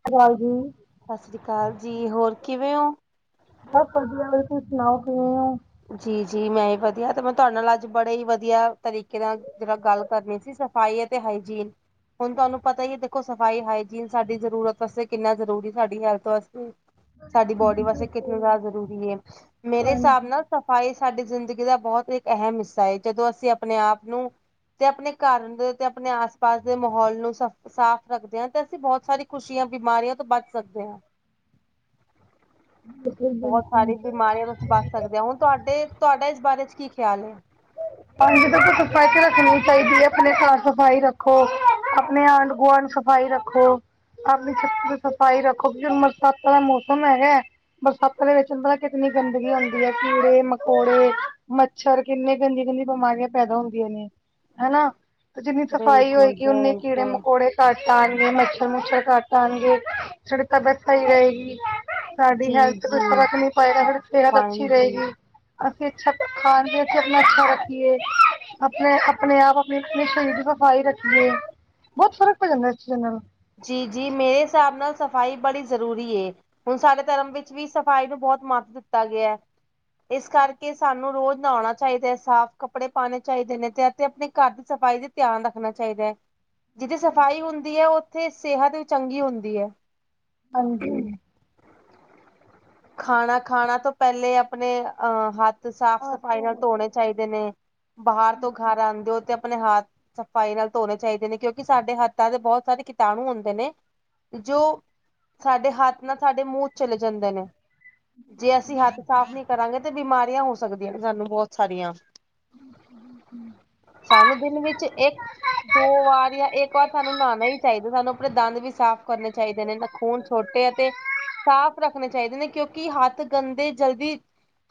[inaudible] ਸਸ ਰੀ ਕਾਲ ਜੀ, ਹੋਰ ਕਿਵੇਂ ਹੋ? ਬਹੁਤ ਵਧੀਆ, ਹੋਰ ਤੁਸੀਂ ਸੁਣਾਓ ਕਿਵੇਂ ਓ? ਜੀ- ਜੀ ਮੈਂ ਹੀ ਵਧੀਆ, ਤੇ ਮੈਂ ਤੁਹਾਡੇ ਨਾਲ ਅੱਜ ਬੜੇ ਹੀ ਵਧੀਆ ਤਰੀਕੇ ਨਾਲ ਜਿਹੜਾ ਗੱਲ ਕਰਨੀ ਸੀ, ਸਰ ਹਾਈ ਐ ਤੇ ਹਾਈਜੀਨ। ਹੁਣ ਤੁਹਾਨੂੰ ਪਤਾ ਹੀ ਹੈ, ਦੇਖੋ ਸਫ਼ਾਈ ਹਾਈਜੀਨ ਸਾਡੀ ਜ਼ਰੂਰਤ ਵਾਸਤੇ ਕਿੰਨਾ ਜ਼ਰੂਰੀ, ਸਾਡੀ ਹੈਲਥ ਵਾਸਤੇ ਸਾਡੀ ਬੋਡੀ ਵਾਸਤੇ ਕਿਤਨਾ ਜ਼ਿਆਦਾ ਜ਼ਰੂਰੀ ਐ, ਮੇਰੇ ਹਾਂਜੀ ਹਿਸਾਬ ਨਾਲ ਸਫ਼ਾਈ ਸਾਡੀ ਜ਼ਿੰਦਗੀ ਦਾ ਬਹੁਤ ਇੱਕ ਅਹਿਮ ਹਿੱਸਾ ਏ, ਜਦੋਂ ਅਸੀਂ ਆਪਣੇ ਆਪ ਨੂੰ ਤੇ ਆਪਣੇ ਘਰ ਦੇ, ਤੇ ਆਪਣੇ ਆਸ- ਪਾਸ ਦੇ ਮਾਹੌਲ ਨੂੰ ਸ ਸਾਫ਼ ਰੱਖਦੇ ਹਾਂ, ਤੇ ਅਸੀਂ ਬਹੁਤ ਸਾਰੀ ਖੁਸ਼ੀਆਂ ਬਿਮਾਰੀਆਂ ਤੋਂ ਬਚ ਸਕਦੇ ਹਾਂ। [inaudible] ਬਹੁਤ ਸਾਰੀ ਬਿਮਾਰੀਆਂ ਤੋਂ ਅਸੀਂ ਬਚ ਸਕਦੇ ਹਾਂ, ਹੁਣ ਤੁਹਾਡੇ ਤੁਹਾਡਾ ਇਸ ਬਾਰੇ ਚ ਕੀ ਖਿਆਲ ਏ। ਹਾਂਜੀ ਸਫਾਈ ਤੇ ਰੱਖਣੀ ਚਾਹੀਦੀ ਏ, ਆਪਣੇ ਸਾਫ਼- ਸਫ਼ਾਈ ਰੱਖੋ, ਆਪਣੇ ਆਂਢ- ਗੁਆਂਢ ਸਭ ਸਫ਼ਾਈ ਰੱਖੋ, ਆਪਣੀ ਛੱਤੀ ਦੀ ਸਫ਼ਾਈ ਰੱਖੋਂ, ਜਿਵੇਂ ਬਰਸਾਤਾਂ ਦਾ ਮੌਸਮ ਹੈਗਾ। ਬਰਸਾਤ ਦੇ ਵਿੱਚ ਪਤਾ ਕਿਤਨੀ ਗੰਦਗੀ ਆਂਦੀ ਐ, ਕੀੜੇ- ਮਕੌੜੇ, ਮੱਛਰ ਕਿੰਨੇ ਗੰਦੀਆਂ- ਗੰਦੀਆਂ ਬਿਮਾਰੀਆਂ ਪੈਦਾ ਹੁੰਦੀਆਂ ਨੇ, ਹਨਾ। ਜਿੰਨੀ ਸਫ਼ਾਈ ਬਿਲਕੁਲ ਹੋਏਗੀ, ਉਨੀ ਕੀੜੇ ਬਿਲਕੁਲ ਮਕੌੜੇ ਘੱਟ ਆਣਗੇ, ਮੱਛਰ- ਮੁੱਛਰ ਘੱਟ ਆਣਗੇ। ਸੋਡੀ ਤਬੀਅਤ ਸਈ ਰਹੇਗੀ। ਸਾਡੀ ਜੀ ਹੈਲਥ ਤੇ ਜੀ ਕੁਛ ਫਰਕ ਨੀ ਪਏਗਾ, ਸਾਡੀ ਸਿਹਤ ਅੱਛੀ ਹਾਂਜੀ ਰਹੇਗੀ। ਅਸੀਂ ਅੱਛਾ ਖਾਣਗੇ। ਆਪਨਾ ਅੱਛਾ ਰੱਖੀਏ, ਆਪਣੇ- ਆਪਣੇ ਆਪ ਆਪਣੀ ਆਪਣੇ ਸਰੀਰ ਦੀ ਸਫ਼ਾਈ ਰੱਖੀਏ। ਬਹੁਤ ਫਰਕ ਪੈ ਜਾਂਦਾ, ਇਸ ਚੀਜ਼ ਨਾਲ। ਜੀ- ਜੀ, ਮੇਰੇ ਹਿਸਾਬ ਨਾਲ ਸਫ਼ਾਈ ਬੜੀ ਜ਼ਰੂਰੀ ਏ। ਹੁਣ ਸਾਡੇ ਧਰਮ ਵਿੱਚ ਵੀ ਸਫ਼ਾਈ ਨੂੰ ਬਹੁਤ ਮਹੱਤ ਦਿੱਤਾ ਗਿਆ। ਇਸ ਕਰਕੇ ਸਾਨੂੰ ਰੋਜ਼ ਨਹਾਣਾ ਚਾਹੀਦਾ, ਸਾਫ਼ ਕੱਪੜੇ ਪਾਣੇ ਚਾਹੀਦੇ ਨੇ, ਤੇ ਅਤੇ ਆਪਣੇ ਘਰ ਦੀ ਸਫ਼ਾਈ ਦੇ ਧਿਆਨ ਰੱਖਣਾ ਚਾਹੀਦਾ ਐ, ਜਿੱਥੇ ਸਫ਼ਾਈ ਹੁੰਦੀ ਐ, ਉੱਥੇ ਸਿਹਤ ਚੰਗੀ ਹੁੰਦੀ ਐ। ਹਾਂਜੀ। ਖਾਣਾ ਖਾਣਾ ਤੋਂ ਪਹਿਲੇ ਆਪਣੇ ਅਹ ਹੱਥ ਸਾਫ਼ ਸਫ਼ਾਈ ਨਾਲ ਧੋਣੇ ਚਾਹੀਦੇ ਨੇ, ਬਾਹਰ ਤੋਂ ਘਰ ਆਂਦੇ ਹੋ, ਤੇ ਆਪਣੇ ਹੱਥ ਸਫ਼ਾਈ ਨਾਲ ਧੋਣੇ ਚਾਹੀਦੇ ਨੇ ਕਿਉਂਕਿ ਸਾਡੇ ਹੱਥਾਂ ਦੇ ਬਹੁਤ ਸਾਰੇ ਕੀਟਾਣੂ ਹੁੰਦੇ ਨੇ ਜੋ ਸਾਡੇ ਹੱਥ ਨਾਲ, ਸਾਡੇ ਮੂੰਹ ਚਲੇ ਜਾਂਦੇ ਨੇ। ਜੇ, ਅਸੀਂ ਹੱਥ ਸਾਫ਼ ਨਹੀਂ ਕਰਾਂਗੇ ਤੇ ਬਿਮਾਰੀਆਂ ਹੋ ਸਕਦੀਆਂ ਸਾਨੂੰ ਬਹੁਤ ਸਾਰੀਆਂ। ਹਮ। [unintelligible] ਸਾਨੂੰ ਦਿਨ ਵਿੱਚ ਇੱਕ ਦੋ ਵਾਰ ਜਾਂ ਇੱਕ ਵਾਰ ਸਾਨੂੰ ਨਹਾਉਣਾ ਹੀ ਚਾਹੀਦਾ, ਸਾਨੂੰ ਆਪਣੇ ਦੰਦ ਵੀ ਸਾਫ਼ ਕਰਨੇ ਚਾਹੀਦੇ ਨੇ ਨਖੂਨ ਛੋਟੇ ਐ ਤੇ ਸਾਫ਼ ਰੱਖਣੇ ਚਾਹੀਦੇ ਨੇ ਕਿ ਹੱਥ ਗੰਦੇ ਜਲਦੀ,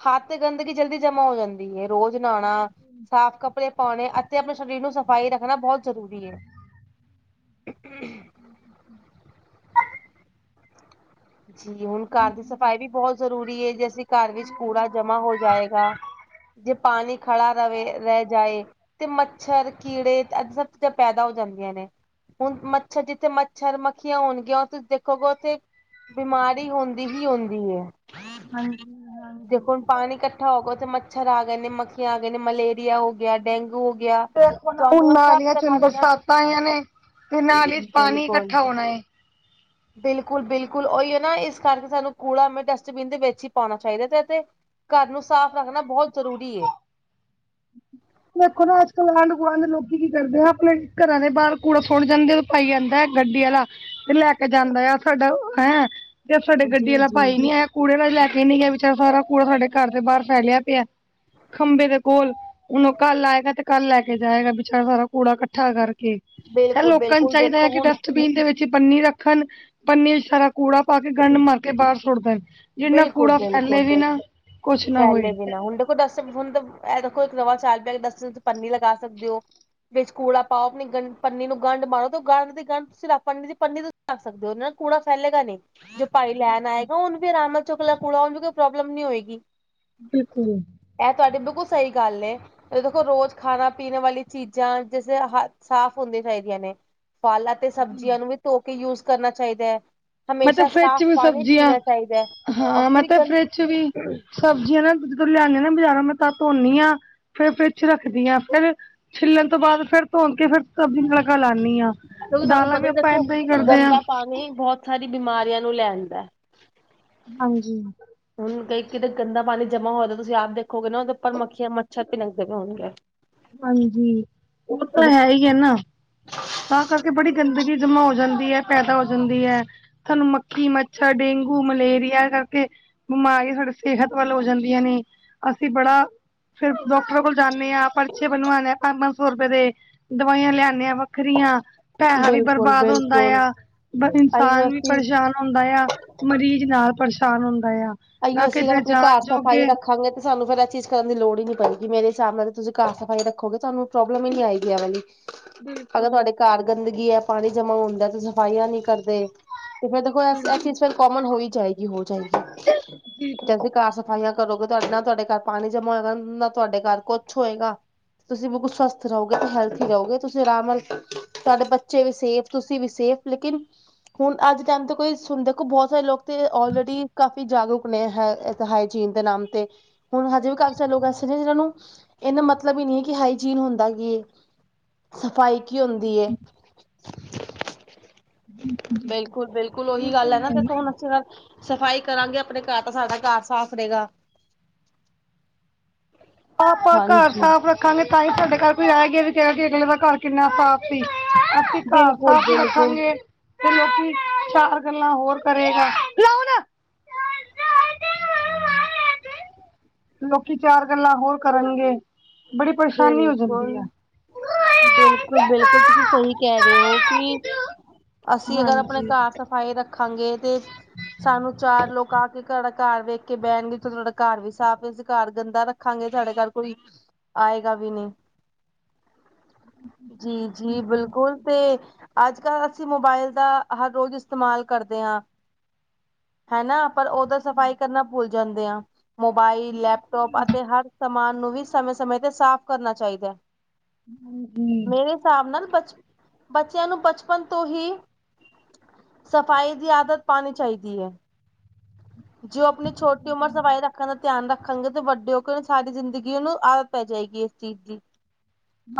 ਹੱਥ ਗੰਦਗੀ ਜਲਦੀ ਜਮਾ ਹੋ ਜਾਂਦੇ ਰੋਜ਼ ਨਹਾਣਾ, ਸਾਫ਼ ਕੱਪੜੇ ਪਾਉਣੇ ਅਤੇ ਆਪਣੇ ਸਰੀਰ ਨੂੰ ਸਫ਼ਾਈ ਰੱਖਣਾ ਬਹੁਤ ਜ਼ਰੂਰੀ ਹੈ। ਹ [inaudible] [unintelligible] ਜੀ ਹੁਣ, ਘਰ ਦੀ ਸਫ਼ਾਈ ਵੀ ਬਹੁਤ ਜ਼ਰੂਰੀ ਹੈ ਜੇ ਅਸੀਂ ਘਰ ਵਿੱਚ ਕੂੜਾ ਜਮਾ ਹੋ ਜਾਏਗਾ ਜੇ ਪਾਣੀ ਖੜਾ ਰਵੇ ਰਹਿ ਜਾਏ ਤੇ ਮੱਛਰ ਕੀੜੇ, ਇਹ ਸਭ ਚੀਜ਼ਾਂ ਪੈਦਾ ਹੋ ਜਾਂਦੀਆਂ ਨੇ। ਹੁਣ, ਮੱਛਰ ਜਿੱਥੇ ਮੱਛਰ, ਮੱਖੀਆਂ ਹੋਣਗੀਆਂ ਤੁਸੀਂ ਦੇਖੋਗੇ ਉੱਥੇ ਬਿਮਾਰੀ ਹੁੰਦੀ ਹੀ ਹੁੰਦੀ ਹੈ ਹਾਂਜੀ-ਹਾਂਜੀ ਦੇਖੋ ਪਾਣੀ ਇਕੱਠਾ ਹੋ ਗਿਆ ਉੱਥੇ ਮੱਛਰ ਆ ਗਏ ਨੇ, ਮੱਖੀਆਂ ਆ ਗਈਆ ਨੇ, ਮਲੇਰੀਆ ਹੋ ਗਿਆ, ਡੇਂਗੂ ਗਿਆ ਤੁਹਾਨੂੰ ਸਭ ਤਰ੍ਹਾਂ ਦੀਆਂ ਆਂ ਨੇ, ਤੇ ਨਾਲ ਹੀ ਪਾਣੀ ਬਿਲਕੁਲ ਇਕੱਠਾ ਹੋਣਾ ਏ। [inaudible] [inaudible] ਬਿਲਕੁਲ, ਬਿਲਕੁਲ ਉਹੀ ਹੈ ਨਾ ਇਸ ਕਰਕੇ ਸਾਨੂੰ ਕੂੜਾ ਡਸਟਬਿਨ ਦੇ ਵਿੱਚ ਹੀ ਪਾਉਣਾ ਚਾਹੀਦਾ ਤੇ ਘਰ ਨੂੰ ਸਾਫ਼ ਰੱਖਣਾ ਬਹੁਤ ਜ਼ਰੂਰੀ ਏ। ਦੇਖੋ ਨਾ, ਅੱਜ ਕੱਲ ਆਂਢ ਗੁਆਂਢ ਲੋਕੀ ਕੀ ਕਰਦੇ ਆ ਆਪਣੇ ਘਰਾਂ ਦੇ ਬਾਰ ਕੂੜਾ ਸੁਟ ਜਾਂਦੇ ਭਾਈ ਆਂਦਾ ਐ ਗੱਡੀ ਆਲਾ ਤੇ ਲੈ ਕੇ ਜਾਂਦਾ ਆ ਸਾਡਾ ਐ ਤੇ ਸਾਡੇ ਗੱਡੀ ਜੀ ਆਲਾ ਜੀ ਭਾਈ ਨੀ ਆਇਆ, ਕੂੜੇ ਵਾਲ ਲੈ ਕੇ ਨੀ ਗਿਆ, ਵਿਚਾਰਾ ਸਾਰਾ ਕੂੜਾ ਸਾਡੇ ਘਰ ਦੇ ਬਾਹਰ ਫੈਲਿਆ ਪਿਆ ਐ ਖੰਭੇ ਦੇ ਕੋਲ। ਹੁਣ, ਉਹ ਕੱਲ ਆਏਗਾ ਤੇ ਕੱਲ ਲੈ ਕੇ ਜਾਏਗਾ ਵਿਚਾਰਾ ਸਾਰਾ ਕੂੜਾ ਇਕੱਠਾ ਕਰਕੇ। ਇਹ ਬਿਲਕੁਲ ਲੋਕਾਂ ਨੂੰ ਬਿਲਕੁਲ ਚਾਹੀਦਾ ਦੇਖੋ ਹੈ ਕਿ ਹੁਣ ਡਸਟਬੀਨ ਦੇ ਵਿੱਚ ਪਨੀ ਰੱਖਣ ਪਨੀ ਚ ਸਾਰਾ ਕੂੜਾ ਪਾ ਕੇ ਗੰਡ ਮਾਰ ਕੇ ਬਾਹਰ ਸੁੱਟ ਦੇਣ ਜਿਹ ਨਾਲ ਕੂੜਾ ਫੈਲੇ ਬਿਲਕੁਲ-ਬਿਲਕੁਲ ਵੀ ਨਾ ਕੁਛ ਨਾ ਹੋਏ। ਡਸਟ, ਹੁਣ ਇਹ ਦੇਖੋ ਨਵਾ ਚੱਲ ਪਿਆ ਡਸਟਬਿਨ ਚ ਪੰਨੀ ਲਗਾ ਸਕਦੇ ਹੋ। ਵਿੱਚ ਕੂੜਾ ਪਾਓ ਆਪਣੀ ਗੰ ਪੰਨੀ ਨੂੰ ਗੰਢ ਮਾਰੋ ਤੇ ਉਹ ਗੰਢ ਦੀ ਗੰਢਿਰ [unintelligible] ਨੀ ਦੀ ਪੰਨੀ [unintelligible] ਆ ਸਕਦੇ ਹੋ, ਕੂੜਾ ਫੈਲੇਗਾ ਨਹੀਂ। ਜੋ ਭਾਈ ਲੈਣ ਆਏਗਾ ਉਹਨੂੰ ਫਿਰ ਆਰਾਮ ਚੁਕਲਾ ਕੂੜਾ ਉਨੂੰ ਕੋਈ ਪ੍ਰੋਬਲਮ ਨਹੀਂ ਹੋਏਗੀ। ਬਿਲਕੁਲ। ਇਹ ਤੁਹਾਡੀ, ਬਿਲਕੁਲ ਸਹੀ ਗੱਲ ਏ। ਦੇਖੋ ਰੋਜ਼ ਖਾਣਾ, ਪੀਣ ਵਾਲੀ ਚੀਜ਼ਾਂ ਜਿਸ ਹੱਥ ਸਾਫ਼ ਹੋਣੀਆਂ ਚਾਹੀਦੀਆ ਨੇ। ਫਲ ਅਤੇ ਸਬਜ਼ੀਆਂ ਨੂੰ ਵੀ, ਧੋ ਕੇ ਯੂਜ ਕਰਨਾ ਚਾਹੀਦਾ ਹੈ। ਮੈਂ ਤੇ ਹਮੇਸ਼ਾ ਫਰਿਜ ਚ ਸਾਫ਼ ਵੀ ਪਾਣੀ ਸਬਜ਼ੀਆਂ ਪੀਣਾ ਚਾਹੀਦਾ ਹੈ ਔਰ ਹਾਂ, ਮੈ ਕਿਉਂਕਿ ਤੇ ਫਰਿਜ ਗੰ ਚ ਵੀ ਸਬਜ਼ੀਆਂ ਨਾ ਜਦੋਂ ਲਿਆਣੇ ਨਾ ਬਾਜ਼ਾਰਾਂ ਮੈਂ ਤਾਂ ਧੋਦੀ ਆ ਫੇਰ ਫਰਿਜ ਚ ਰੱਖਦੀ ਹਾਂ ਫੇਰ ਛਿੱਲਣ ਤੋਂ ਬਾਅਦ ਫੇਰ ਧੋ ਕੇ, ਫਿਰ ਸਬਜ਼ੀ ਨੂੰ ਤੜਕਾ ਲਾਉਦੀ ਹਾਂ। ਕਿਉਕਿ ਤੁਹਾਨੂੰ ਪਤਾ ਹੀ ਦੇਖੋ, ਗੰਦਾ ਪਾਣੀ ਬਹੁਤ ਸਾਰੀ ਬਿਮਾਰੀਆਂ ਨੂੰ ਲੈ ਆਂਦਾ। ਹਾਂਜੀ। ਹੁਣ ਕਈ ਕਿਤੇ ਗੰਦਾ ਪਾਣੀ ਜਮਾ ਹੋ, ਤੁਸੀਂ ਆਪ ਦੇਖੋਗੇ ਨਾ ਉਹਦੇ ਉੱਪਰ ਮੱਖੀਆਂ ਮੱਛਰ ਭਿਨਕ ਦੇ ਹੋਣਗੇ। ਹਾਂਜੀ, ਉਹ ਤਾਂ ਹੈ ਹੀ ਹੈ ਨਾ। ਤਾਂ ਕਰਕੇ ਬੜੀ ਗੰਦਗੀ ਜਮਾਂ ਹੋ ਜਾਂਦੀ ਹੈ, ਪੈਦਾ ਹੋ ਜਾਂਦੀ ਹੈ ਤਾਨੂੰ ਮੱਖੀ, ਮੱਛਰ, ਡੇਂਗੂ, ਮਲੇਰੀਆ ਏ ਕਰਕੇ ਬਿਮਾਰੀਆਂ, ਸਾਡੇ ਸਿਹਤ ਵੱਲ ਹੋ ਜਾਂਦੀਆਂ ਨੇ ਅਸੀਂ ਬੜਾ ਫਿਰ ਡਾਕਟਰ ਕੋਲ ਜਾਨੇ ਆ, ਪਰਚੇ ਬਣਵਾਣੇ ਆ, ਪੰਜ-ਪੰਜ ਸੌ ਰੁਪਏ ਦੇ, ਦਵਾਈਆਂ ਲਿਆਨੇ ਆ ਵੱਖਰੀਆਂ, ਪੈਸਾ ਵੀ ਬਿਲਕੁਲ ਬਰਬਾਦ ਹੁੰਦਾ ਬਿਲਕੁਲ ਆ, ਬਸ ਅਈਓ ਇਨਸਾਨ ਵੀ ਅਸੀਂ ਪਰੇਸ਼ਾਨ ਹੁੰਦਾ ਆ ਮਰੀਜ਼ ਨਾਲ ਪਰੇਸ਼ਾਨ ਹੁੰਦਾ ਯਾ। ਆਈਓ ਅਸੀਂ ਆਪਨੇ ਘਰ ਸਫ਼ਾਈ ਰੱਖਾਂਗੇ ਤੇ ਸਾਨੂੰ ਫਿਰ ਐ ਚੀਜ਼ ਕਰਨ ਦੀ ਲੋੜ ਹੀ ਨੀ ਪਏਗੀ, ਮੇਰੇ ਸਾਬ ਨਾਲ ਤੁਸੀਂ ਘਰ ਸਫ਼ਾਈ ਰੱਖੋਗੇ, ਤੁਹਾਨੂੰ ਪ੍ਰੋਬਲਮ ਹੀ ਨੀ ਆਏਗੀ ਆ ਵਾਲੀ। ਅਗਰ ਤੁਹਾਡੇ ਘਰ ਗੰਦਗੀ ਹੈ, ਪਾਣੀ ਜਮਾ ਹੁੰਦਾ ਤੇ ਸਫਾਈਆਂ ਨਹੀਂ ਕਰਦੇ। ਤੇ ਫੇਰ ਦੇਖੋ ਇਹ ਚੀਜ਼ ਫਿਰ ਕੋਮਨ ਹੋ ਹੀ ਜਾਏਗੀ ਹੋ ਜਾਏਗੀ। ਜ ਅਸੀਂ ਘਰ ਸਫਾਈਆਂ ਕਰੋਗੇ ਤੁਹਾਡੇ ਨਾ ਤੁਹਾਡੇ ਘਰ ਪਾਣੀ ਜਮਾ ਹੋਏਗਾ, ਨਾ ਤੁਹਾਡੇ ਘਰ ਕੁਛ ਹੋਏਗਾ। ਤੁਸੀਂ ਬਿਲਕੁਲ ਸਵਸਥ ਰਹੋਗੇ ਤੇ ਹੈਲਥੀ ਰਹੋਗੇ, ਤੁਸੀਂ ਆਰਾਮ ਨਾਲ ਤੁਹਾਡੇ ਬੱਚੇ ਵੀ ਸੇਫ, ਤੁਸੀਂ ਵੀ ਸੇਫ ਲੇਕਿਨ ਹੁਣ ਅੱਜ ਟਾਈਮ ਤੋਂ ਕੋਈ ਹੁਣ ਦੇਖੋ ਬਹੁਤ ਸਾਰੇ ਲੋਕ ਤੇ ਅਲਰੈਡੀ ਕਾਫੀ ਜਾਗਰੂਕ ਆਪਣੇ ਹਾਏ ਹਾਈਜੀਨ ਦੇ ਨਾਮ ਤੇ ਹੁਣ ਹਜੇ ਵੀ ਕਾਫੀ ਸਾਰੇ ਲੋਕ ਐਸੇ ਨੇ ਜਿਨਾਂ ਨੂੰ ਇਹਦਾ ਮਤਲਬ ਹੀ ਨਹੀਂ ਹੈ ਕਿ ਹਾਈਜੀਨ ਹੁੰਦਾ ਕੀ, ਸਫ਼ਾਈ ਕੀ ਹੁੰਦੀ ਏ। ਹਮ। ਬਿਲਕੁਲ-ਬਿਲਕੁਲ ਉਹੀ ਗੱਲ ਹੈ ਨਾ ਤੇ ਹੁਣ ਅਸੀਂ ਸਫ਼ਾਈ ਕਰਾਂਗੇ ਆਪਣੇ ਘਰ ਤਾਂ ਸਾਡਾ ਘਰ ਸਾਫ਼ ਰਹੇਗਾ। ਆਪਾਂ ਘਰ ਹਾਂਜੀ ਸਾਫ਼ ਰੱਖ ਖਾਂਗੇ ਤਾਂ ਹੀ ਸਾਡੇ ਘਰ ਕੋਈ ਆਏ ਗਿਆ ਵੀ ਕਿਹਾ ਕਿ ਅਗਲੇ ਦਾ ਘਰ ਕਿੰਨਾ ਸਾਫ਼ ਸੀ। ਘਰ ਬਿਲਕੁਲ ਸਾਫ਼ ਬਿਲਕੁਲ ਰੱਖਾਂਗੇ। ਤੇ ਲੋਕੀ ਚਾਰ ਗੱਲਾਂ ਹੋਰ ਕਰੇਗਾ ਲੋਨ ਲੋਕੀ ਚਾਰ ਗੱਲਾਂ ਹੋਰ ਕਰਨਗੇ। ਬੜੀ ਪਰੇਸ਼ਾਨੀ ਹੋ ਜਾਂਦੀ ਆ। ਬਿਲਕੁਲ-ਬਿਲਕੁਲ ਤੁਸੀਂ ਸਹੀ ਕਹਿ ਰਹੇ ਹੋ ਕਿ ਅਸੀਂ ਅਗਰ ਆਪਣੇ ਹਾਂਜੀ ਘਰ ਸਫ਼ਾਈ ਰੱਖਾਂਗੇ ਤੇ ਸਾਨੂੰ ਚਾਰ ਲੋਕ ਆ ਕੇ ਘਰ ਰੱਖ ਘਰ ਵੇਖ ਕੇ ਬਹਿਣਗੇ ਤੁਹਾਡਾ ਘਰ ਵੀ ਸਾਫ਼ ਹੈ ਅਸੀਂ ਘਰ ਗੰਦਾ ਰੱਖਾਂਗੇ ਸਾਡੇ ਘਰ ਕੋਈ ਆਏਗਾ ਵੀ ਨਹੀਂ ਜੀ ਜੀ ਬਿਲਕੁਲ ਤੇ ਅੱਜ ਕੱਲ੍ਹ ਅਸੀਂ ਮੋਬਾਇਲ ਦਾ ਹਰ ਰੋਜ਼ ਇਸਤੇਮਾਲ ਕਰਦੇ ਹਾਂ। ਹੈਨਾ ਪਰ ਉਹਦੋ ਸਫ਼ਾਈ ਕਰਨਾ ਭੁੱਲ ਜਾਂਦੇ ਆ। ਮੋਬਾਈਲ ਲੈਪਟੋਪ ਅਤੇ ਹਰ ਸਮਾਨ ਨੂੰ ਵੀ ਸਮੇ ਸਮੇ ਤੇ ਸਾਫ਼ ਕਰਨਾ ਚਾਹੀਦਾ ਹੈ। ਹਮ ਹਮ ਹਮ। ਮੇਰੇ ਹਿਸਾਬ ਨਾਲ ਬਚ ਬੱਚਿਆਂ ਨੂੰ ਬਚਪਨ ਤੋਂ ਹੀ ਸਫ਼ਾਈ ਦੀ ਆਦਤ ਪਾਣੀ ਚਾਹੀਦੀ ਹੈ। ਜੋ ਆਪਣੀ ਛੋਟੀ ਉਮਰ ਸਫ਼ਾਈ ਰੱਖਣ ਦਾ ਧਿਆਨ ਰੱਖ [unintelligible] ਤੇ ਵੱਡੇ ਹੋ ਕੇ ਉਹਨੂੰ ਸਾਰੀ ਜ਼ਿੰਦਗੀ ਉਹਨੂੰ ਆਦਤ ਪੈ ਜਾਏਗੀ ਇਸ ਚੀਜ਼ ਦੀ।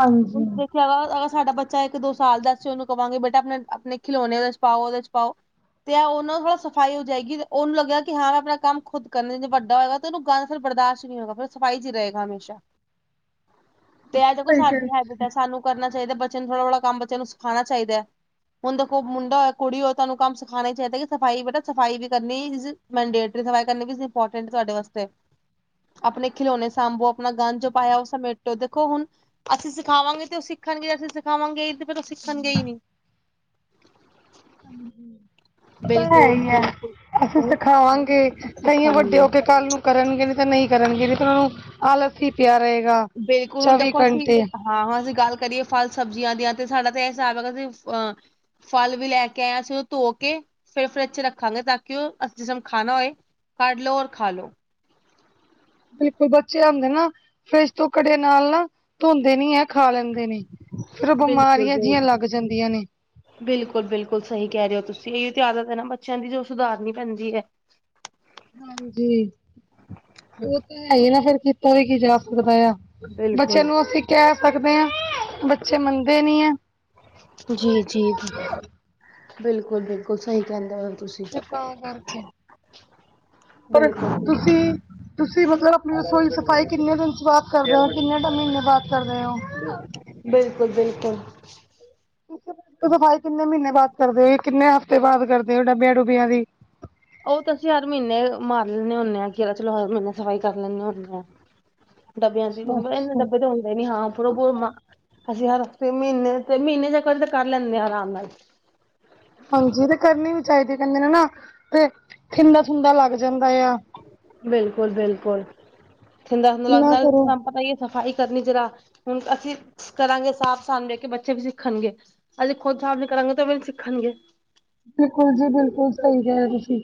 ਹਾਂਜੀ ਅਗਰ ਸਾਡਾ ਬੱਚਾ ਇੱਕ ਦੋ ਸਾਲ ਦਾ ਅਸੀ ਉਹਨੂੰ ਕਵਾਂ ਗੇ ਬੇਟਾ ਆਪਣੇ-ਆਪਣੇ ਖਿਲੋਣੇ ਇਹਦੇ ਚ ਪਾਓ, ਉਹਦੇ ਚ ਪਾਓ। ਤੇ ਉਹਨਾਂ ਕੋਲੋਂ ਸਫ਼ਾਈ ਹੋ ਜਾਏਗੀ ਤੇ ਉਹਨੂੰ ਲੱਗਿਆ ਕਿ ਹਾਂ ਮੈਂ ਆਪਣਾ ਕੰਮ ਖੁਦ ਕਰਨ ਵੱਡਾ ਹੋਏਗਾ ਤੇ ਉਹਨੂੰ ਗੰਦ ਫਿਰ ਬਰਦਾਸ਼ਤ ਨਹੀਂ ਹੋਗਾ, ਫਿਰ ਸਫਾਈ ਚ ਹੀ ਰਹੇਗਾ ਹਮੇਸ਼ਾ। ਤੇ ਇਹ ਦੇਖੋ ਸਾਡੀ ਹੈਬਿਟ ਹੈ, ਸਾਨੂੰ ਕਰਨਾ ਚਾਹੀਦਾ ਹੈ, ਬੱਚਿਆਂ ਨੂੰ ਥੋੜ੍ਹਾ ਕੰਮ ਬੱਚਿਆਂ ਨੂੰ ਸਿਖਾਣਾ ਚਾਹੀਦਾ ਹੈ। ਹੁਣ ਦੇਖੋ ਮੁੰਡਾ ਹੋਏ, ਕੁੜੀ ਹੋਏ, ਤਾਨੂੰ ਕੰਮ ਸਿਖਾਣਾ ਹੀ ਚਾਹੀਦਾ ਹੈ ਕਿ ਸਫ਼ਾਈ ਬੇਟਾ ਸਫ਼ਾਈ ਵੀ ਕਰਨੀ ਕੰਗੇਟਰ ਦੀ ਸਫ਼ਾਈ ਕਰਨ ਲਗੀ ਸੀ ਇਮਪੋਰਟੈਂਟ ਤੁਹਾਡੇ ਵਾਸਤੇ, ਆਪਣੇ ਖਿਲੋਣੇ ਸਾਂਭੋ ਆਪਣਾ ਗੰਦ ਆਇਆ ਉਹ ਸਮੇਟ ਦੇਖੋ ਹੁਣ ਅਸੀਂ ਸਿਖਾਵਾਂਗੇ ਤੇ ਉਹ ਸਿੱਖਣਗੇ ਅਸੀਂ ਸਿਖਾਵਾਂਗੇ ਤਾਂ ਸਿੱਖਣ ਗੇ ਹੀ ਨੀ। [unintelligible] ਓਹ ਤਾਂ ਹੈ ਬਿਲਕੁਲ ਹੀ ਹੈ, ਬਿਲਕੁਲ ਅਸੀਂ ਉਹ ਸਿਖਾਵਾਂਗੇ ਤਾਈਓਂ ਵੱਡੇ ਸਿੱਖਣਗੇ ਹੋ ਕੇ ਕੱਲ ਨੂੰ ਕਰਨਗੇ ਨੇ ਤੇ ਨਹੀਂ ਕਰਨਗੇ ਤੇ ਉਹ ਨੂੰ ਆਲਸ ਹੀ ਪਿਆ ਰਹੇਗਾ ਬਿਲਕੁਲ ਹੁਣ ਚੌਵੀ ਦੇਖੋ ਅਸੀਂ ਘੰਟੇ। ਹਾਂ ਹਾਂ ਅਸੀਂ ਗੱਲ ਕਰੀਏ ਫਲ ਸਬਜ਼ੀਆਂ ਦੀਆਂ ਤੇ ਸਾਡਾ ਤਾਂ ਇਹ ਹਿਸਾਬ ਹੈਗਾ ਅਸੀਂ ਅ ਫਲ ਵੀ ਲੈ ਕੇ ਆਏ ਅਸੀਂ ਉਹ ਧੋ ਕੇ ਫੇਰ ਫਰਿਜ ਚ ਰੱਖਾਂਗੇ ਤਾਂ ਕਿ ਉਹ ਅਸੀਂ ਜਿਸ ਨੂੰ ਖਾਣਾ ਹੋਏ ਕਡ ਲੋ ਔਰ ਖਾ ਲੋ। ਬਿਲਕੁਲ ਬੱਚੇ ਆਊਦੇਂ ਨਾ ਫਿਰਜ ਤੋਂ ਕੜੇ ਨਾਲ ਨਾ ਧੋਂਦੇ ਨੀ ਹੈ ਖਾ ਲੈਂਦੇ ਨੇ। ਫੇਰ ਉਹ ਬਿਲਕੁਲ ਬਿਮਾਰੀਆਂ ਜਿਹੀਆਂ ਬਿਲਕੁਲ ਲੱਗ ਜਾਂਦੀਆਂ ਨੇ। ਬਿਲਕੁਲ ਬਿਲਕੁਲ ਸਹੀ ਕਹਿ ਰਹੇ ਹੋ ਤੁਸੀਂ ਇਹੀ ਆਦਤ ਹੈ ਨਾ ਬੱਚਿਆਂ ਦੀ ਜੋ ਸੁਧਾਰਨੀ ਪੈਂਦੀ ਹੈ। ਹਾਂਜੀ ਉਹ ਤਾਂ ਹੈ ਹੀ ਨਾ ਫੇਰ ਕੀਤਾ ਵੀ ਕੀ ਜਾ ਸਕਦਾ ਆ। ਬੱਚਿਆ ਬਿਲਕੁਲ ਨੂੰ ਅਸੀਂ ਕਹਿ ਸਕਦੇ ਹਾਂ ਬੱਚੇ ਮੰਨਦੇ ਨੀ ਹੈ। ਜੀ ਜੀ ਜੀ ਬਿਲਕੁਲ ਬਿਲਕੁਲ ਸਹੀ ਕਹਿੰਦੇ ਹੋ ਤੁਸੀਂ। ਤਾ ਕਰਕੇ ਪਰ ਬਿਲਕੁਲ ਤੁਸੀਂ ਤੁਸੀਂ ਮਤਲਬ ਆਪਣੀ ਰਸੋਈ ਸਫ਼ਾਈ ਕਿੰਨੇ ਦਿਨ ਚ ਬਾਅਦ ਕਰਦੇ ਹੋ ਕਿੰਨੇ ਮਹੀਨੇ ਬਾਅਦ ਕਰਦੇ ਹੋ? ਬਿਲਕੁਲ ਬਿਲਕੁਲ। ਸਫ਼ਾਈ ਕਿੰਨੇ ਮਹੀਨੇ ਬਾਅਦ ਕਰਦੇ ਹੋ ਕਿੰਨੇ ਹਫ਼ਤੇ ਬਾਅਦ ਕਰਦੇ ਹੋ ਡੱਬਿਆਂ ਡੁੱਬਿਆਂ ਦੀ। ਉਹ ਤਾਂ ਅਸੀਂ ਹਰ ਮਹੀਨੇ ਮਾਰ ਲੈਂਦੇ ਹੁੰਦੇ ਹਾਂ ਕੀ ਹਾ ਚਲੋ ਹਰ ਮਹੀਨੇ ਸਫ਼ਾਈ ਕਰ ਲੈਦੇ ਹੁੰਦੇ ਹਾਂ। ਡੱਬਿਆਂ ਦੀ ਇਨਾ ਅੱਛਾ-ਅੱਛਾ। ਡੱਬੇ ਤੇ ਹੁੰਦੇ ਨੀ ਹਾਂ ਅਸੀਂ ਹਰ ਮਹੀਨੇ ਤੇ ਮਹੀਨੇ ਚ ਇਕ ਵਾਰ ਤੇ ਕਰ ਲੈਂਦੇ ਹਾਂ ਆਰਾਮ ਨਾਲ। ਹਾਂਜੀ ਤੇ ਕਰਨੀ ਵੀ ਚਾਹੀਦੀ ਕਹਿੰਦੇ ਨੇ ਨਾ ਤੇ [unintelligible] [unintelligible] ਲੱਗ ਜਾਂਦਾ ਆ। ਬਿਲਕੁਲ ਬਿਲਕੁਲ [unintelligible] ਨਾ ਨਾਲ ਕਰੋ ਤੁਹਾਨੂੰ ਪਤਾ ਹੀ ਸਫ਼ਾਈ ਕਰਨੀ ਜਰਾ ਹੁਣ ਅਸੀਂ ਕਰਾਂਗੇ ਸਾਫ਼ ਸਾਨੂੰ ਦੇੇਖ ਕੇ ਬੱਚੇ ਵੀ ਸਿੱਖਣਗੇ। ਹਲੇ ਖੁਦ ਹਿਸਾਬ ਕਰਾਂਗੇ ਤਾਂ [unintelligible] ਸਿੱਖਣਗੇ। ਬਿਲਕੁਲ ਜੀ ਬਿਲਕੁਲ ਸਹੀ ਕਿਹਾ ਤੁਸੀਂ।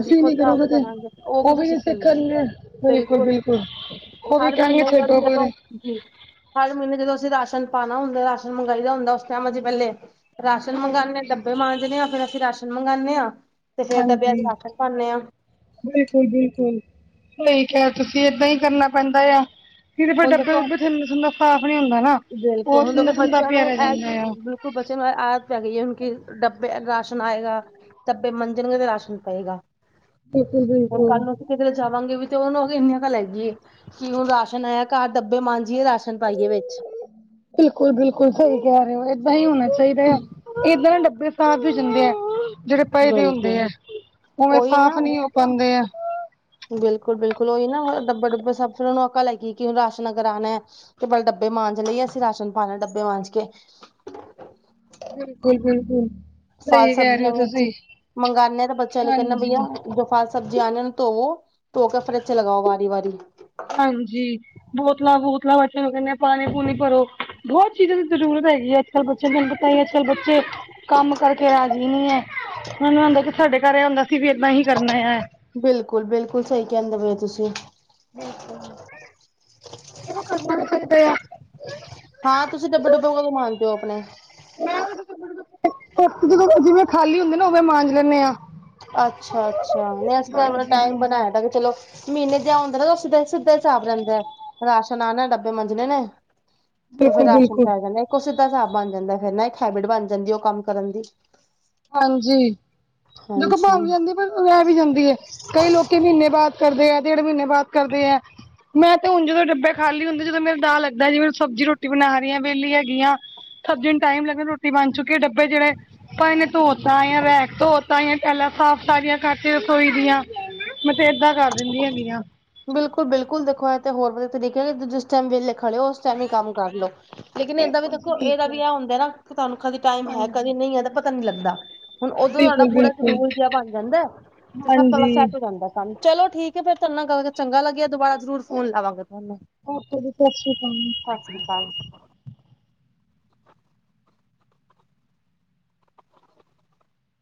ਅਸੀਂ ਖੁਦ ਨੀ ਸਾਫ਼ ਕਰੋਗੇ ਤੇ ਕਰਾਂਗੇ ਉਹ ਕਿਥੋਂ ਵੀ ਨੀ ਸਿੱਖਣਗੇ ਬਿਲਕੁਲ ਬਿਲਕੁਲ। ਉਹ ਵੀ ਹਰ ਕਹਿਗੇ ਮਹੀਨੇ ਛਡੋ ਜਦੋਂ ਪਰੇ। ਜੀ ਹਰ ਮਹੀਨੇ ਜਦੋਂ ਅਸੀਂ ਰਾਸ਼ਨ ਪਾਣਾ ਹੁੰਦਾ ਰਾਸ਼ਨ ਮੰਗਾਈ ਦਾ ਹੁੰਦਾ ਉਸ ਟਾਈਮ [unintelligible] ਪਹਿਲੇ ਰਾਸ਼ਨ ਮੰਗਵਾਉਂਦੇ ਹਾਂ ਡੱਬੇ ਮਾਂਜਣੇ ਆ ਫੇਰ ਅਸੀਂ ਰਾਸ਼ਨ ਮੰਗਵਾਉਂਦੇ ਹਾਂ। ਤੇ ਫੇਰ ਡੱਬਿਆਂ ਹਾਂਜੀ। ਚ ਰਾਸ਼ਨ ਪਾਉਂਦੇ ਹਾਂ ਬਿਲਕੁਲ ਬਿਲਕੁਲ ਸਹੀ ਕਿਹਾ ਹੈ। ਤੁਸੀਂ ਏਦਾਂ ਹੀ ਕਰਨਾ ਪੈਂਦਾ ਆ। ਕਿ ਫਿਰ ਹੁਣ ਡੱਬੇ ਦੇਖੋ ਦੁਬੇ ਇੱਥੇ ਇਨ੍ਹਾਂ ਸਟਾਫ਼ ਨੀ ਹੁੰਦਾ ਨਾ। ਬਿਲਕੁਲ ਉਹ ਹੁਣ ਦੇਖੋ ਥਿੰਦਾ ਥੁੰਦਾ ਬੱਚਿਆਂ ਨੂੰ ਪਿਆ ਰਹਿ ਇਹ। ਜਾਂਦਾ ਆ ਉਸਕੋ ਬਚੇ ਹੋਏ ਆਸ ਹੈਗੀ ਕਿ ਡੱਬੇ ਰਾਸ਼ਨ ਆਏਗਾ। ਡੱਬੇ ਮਾਂਜਣਗੇ ਤੇ ਰਾਸ਼ਨ ਪਏਗਾ। ਬਿਲਕੁਲ ਹੁਣ ਬਿਲਕੁਲ। ਕੱਲ ਨੂੰ ਕਿਧਰੇ ਜਾਵਾਂਗੇ ਵੀ ਤੇ ਉਹਨੂੰ ਉਹਦੇ ਐਨੇਆ ਦਾ ਲੈ ਜਾਈਏ। ਕੀ ਹੁਣ ਰਾਸ਼ਨ ਆਇਆ ਘਰ ਡੱਬੇ ਮਾਂਜੀਏ ਰਾਸ਼ਨ ਪਾਈਏ ਵਿੱਚ। ਬਿਲਕੁਲ ਬਿਲਕੁਲ ਸਹੀ ਕਹਿ ਰਹੇ ਹੋ ਏਦਾਂ ਹੀ ਹੋਣਾ ਚਾਹੀਦਾ ਹੈ ਏਦਾਂ ਨਾ ਡੱਬੇ। ਸਾਫ਼ ਹੀ ਦਿੰਦੇ ਆ ਜਿਹੜੇ ਪਏਦੇ ਹੁੰਦੇ ਬਿਲਕੁਲ ਹੈ ਉਵੇਂ ਉਹੀ ਸਾਫ਼ ਨਾ ਨਹੀਂ ਉਹ ਪਾਉਂਦੇ ਆ। ਬਿਲਕੁਲ ਬਿਲਕੁਲ ਉਹੀ ਨਾ ਡੱਬੇ ਡੁੱਬੇ ਸਾਫ਼ ਕਰਾਏ ਕਿ ਰਾਸ਼ਨ ਹੁਣ ਅਗਰ ਆਉਣਾ ਹੈ। ਤੇ ਪਹਿਲੇ ਡੱਬੇ ਮਾਂਜ ਲਈਏ ਯਾ ਫੇਰ ਰਾਸ਼ਨ ਪਾਣਾ ਡੱਬੇ ਮਾਂਜ ਕੇ। ਬਿਲਕੁਲ ਬਿਲਕੁਲ। ਫ਼ਲ ਸਹੀ ਕਹਿ ਰਹੇ ਸਬਜ਼ੀਆਂ ਹੋ ਵੀ ਤੁਸੀਂ ਅਸੀਂ ਮੰਗਾਨੇ ਹਾਂ ਤਾਂ ਬੱਚਿਆਂ ਨੂੰ ਕਹਿੰਦੇ ਬਈਆ ਹਾਂਜੀ ਜੋ ਫਲ ਸਬਜ਼ੀ ਆਣੇ ਉਹਨੂੰ ਧੋਵੋ ਤੇ ਫਰਿਜ ਚ ਲਗਾਓ ਵਾਰੀ ਵਾਰੀ। ਹਾਂਜੀ ਬੋਤਲਾਂ ਬੂਤਲਾਂ ਬਚੇ ਨੂੰ ਕਹਿੰਦੇ ਹਾਂ ਪਾਣੀ ਪੂਣੀ ਭਰੋ। ਬਹੁਤ ਚੀਜ਼ਾਂ ਦੀ ਜ਼ਰੂਰਤ ਹੈਗੀ ਹੈ ਅੱਜ ਕੱਲ ਬੱਚੇ ਤੁਹਾਨੂੰ ਪਤਾ ਹੀ ਅੱਜ ਕੱਲ੍ਹ ਬੱਚੇ ਕੰਮ ਕਰਕੇ ਰਾਜੀ ਨੀ ਹੈ ਮੈਨੂੰ ਆਉਂਦਾ ਕਿ ਸਾਡੇ ਘਰ ਐ ਹੂੰਦਾ ਸੀ ਵੀ ਅਪਾ ਹੀ ਕਰਨਾ ਹੈ। ਬਿਲਕੁਲ ਬਿਲਕੁਲ ਸਹੀ ਕਹਿੰਦੇ ਪਏ ਹੋ ਤੁਸੀਂ। ਬਿਲਕੁਲ। [unintelligible] ਹਾਂ ਤੁਸੀਂ ਡੱਬੇ ਡੱਬੇ ਕਦੋਂ ਮਾਜਦੇ ਹੋ ਆਪਣੇ? ਮੈਂ ਜਿਵੇਂ ਖਾਲੀ ਹੁੰਦੀ ਨਾ ਉਦੋ ਮਾਂਜ ਲੈਂਦੇ ਆ। ਅੱਛਾ ਅੱਛਾ ਨਹੀਂ ਅਸੀਂ ਤਾਂ ਆਪਣਾ ਟਾਈਮ ਬਣਾਆ ਦਾ ਕਿ ਚਲੋ ਮਹੀਨੇ ਤੇ ਇਹ ਹੁੰਦਾ ਨਾ ਉਹ ਸਿੱਧੇ ਸਿੱਧੇ ਹਿਸਾਬ ਰਹਿੰਦੇ ਆ ਰਾਸ਼ਨ ਆਉਂਦਾ ਡੱਬੇ ਮਾਂਜਣੇ ਨੇ। ਤੇ ਫਿਰ ਬਿਲਕੁਲ ਰਾਸ਼ਨ ਬਿਲਕੁਲ ਪੈ ਜਾਂਦਾ ਇੱਕ ਉਹ ਸਿੱਧਾ ਹਿਸਾਬ ਬਣ ਜਾਂਦਾ ਫਿਰ ਨਾ ਇੱਕ ਹੈਬਿਟ ਬਣ ਜਾਂਦੀ ਉਹ ਕੰਮ ਕਰਨ ਦੀ। ਹਾਂਜੀ ਦੇਖੋ ਭਾਫ਼ ਹਾਂਜੀ ਵੀ ਜਾਂਦੀ ਪਰ ਰਹਿ ਵੀ ਜਾਂਦੀ ਹੈ ਕਈ ਲੋਕੀ ਮਹੀਨੇ ਬਾਅਦ। ਕਰਦੇ ਹੈ ਡੇਢ ਮਹੀਨੇ ਬਾਅਦ ਕਰਦੇ ਹੈ ਮੈਂ ਤੇ ਹੁਣ ਜਦੋਂ ਡੱਬੇ ਖਾਲੀ ਹੁੰਦੇ ਜਦੋਂ ਮੇਰੀ ਦਾਲ। ਹੁੰਦਾ ਜਿਵੇਂ ਸਬਜ਼ੀ ਰੋਟੀ ਬਣਾ ਰਹੀ ਹਾਂ ਵਿਹਲੀ ਹੈਗੀਆਂ ਸਬਜ਼ੀ ਨੂੰ ਟਾਈਮ ਲੱਗਦਾ ਰੋਟੀ। ਬਣ ਚੁੱਕੀ ਹੈ ਡੱਬੇ ਜਿਹੜੇ ਪਏ ਨੇ। ਧੋ ਤਾ ਹੈ ਜਾਂ ਧੋ ਤਾਂ ਟੈਲਾ ਸਾਫ਼ ਸਾਰਿਆਂ ਕਰਤਿਆ ਹੈ। ਧੋਈਦੀਆ ਮੈਂ ਤਾਂ ਏਦਾਂ ਕਰ ਦਿੰਦੀ ਹੈਗੀ ਆ। ਬਿਲਕੁਲ, ਬਿਲਕੁਲ ਦੇਖੋ ਇਹ ਤੇ ਹੋਰ ਵਧੀਆ ਤਰੀਕੇ ਜਿਸ ਟਾਈਮ ਵਿਹਲੇ ਖੜ੍ਹੇ ਹੋ ਉਸ ਟਾਈਮ ਹੀ ਕੰਮ ਕਰ ਲੋ। ਲੇਕਿਨ ਏਦਾਂ ਵੀ ਦੇਖੋ ਇਹਦਾ ਵੀ ਇਹ ਹੁੰਦਾ ਨਾ ਤੁਹਾਨੂੰ ਕਦੇ ਟਾਈਮ ਹੈ ਹਾਂਜੀ ਕਦੇ ਨਹੀਂ ਹੈਗਾ ਪਤਾ ਨੀ ਲੱਗਦਾ ਹੈ। ਹੁਣ ਉਦੋਂ ਸਾਡਾ ਬਿਲਕੁਲ ਪੂਰਾ ਇੱਕ ਬਿਲਕੁਲ ਰੂਲ ਜਿਹਾ ਬਣ ਜਾਂਦਾ ਤੇ ਸਭ ਤੋਂ। ਹਾਂਜੀ ਹੁਣ ਦਾ ਕੰਮ ਚਲੋ ਠੀਕ ਹੈ ਫੇਰ ਤੁਹਾਡੇ ਨਾਲ ਗੱਲ ਕਰਕੇ। ਚੰਗਾ ਲੱਗਿਆ ਦੁਬਾਰਾ ਜ਼ਰੂਰ ਫੋਨ ਲਾਵਾਂਗੇ ਤੁਹਾਨੂੰ ਓਕੇ ਜੀ ਸ਼੍ਰੀ ਅਕਾਲ ਸਤਿ ਸ੍ਰੀ ਅਕਾਲ।